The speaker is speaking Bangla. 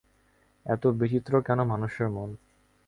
এত বিচিত্র কেন মানুষের মন!